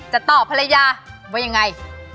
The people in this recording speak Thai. จะตอบภรรยาว่ายังไง